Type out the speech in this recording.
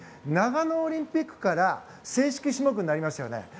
長野オリンピックから正式種目になりましたよね。